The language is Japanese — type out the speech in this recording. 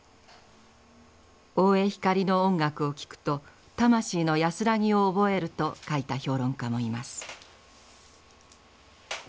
大江光の音楽を聴くと魂の安らぎを覚えると書いた評論家もいます。